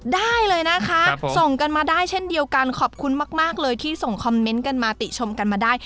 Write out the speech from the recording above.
ได้เลยนะคะส่งกันมาได้เช่นเดียวกันขอบคุณมากเลยที่ส่งคอมเมนต์กันมาติชมกันมาได้